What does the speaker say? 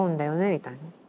みたいな。